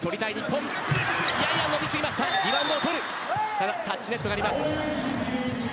ただ、タッチネットがあります。